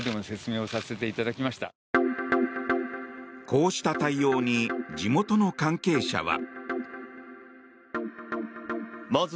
こうした対応に地元の関係者は。